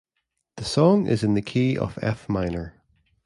The song is in the key of F minor.